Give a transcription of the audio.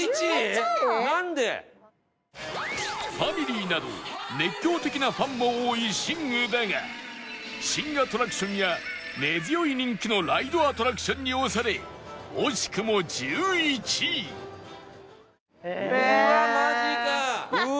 ファミリーなど熱狂的なファンも多いシングだが新アトラクションや根強い人気のライドアトラクションに押され惜しくも１１位えーっ！